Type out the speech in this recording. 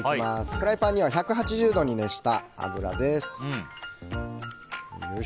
フライパンには１８０度に熱した油です。